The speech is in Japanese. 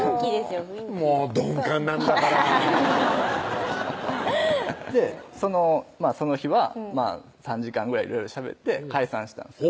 もう鈍感なんだからその日は３時間ぐらいいろいろしゃべって解散したんですよ